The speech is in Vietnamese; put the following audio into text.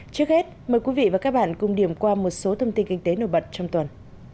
trước hết mời quý vị và các bạn cùng điểm qua một số thông tin kinh tế nổi bật trong tuần